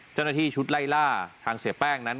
เจ้าหน้าที่ชุดไล่ล่าทางเสียแป้งนั้น